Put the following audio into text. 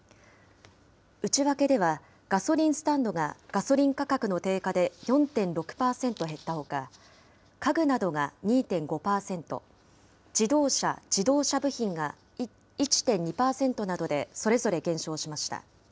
内訳では、ガソリンスタンドがガソリン価格の低下で４．６％減ったほか、家具などが２．５％、自動車・自動車部品が１．２％などでそれぞれ減少しました。